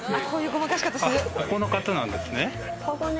ここの方なんですね。